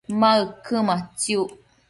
ma uquëmatsiuc?